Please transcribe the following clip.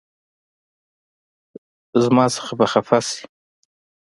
مانه به خفه شې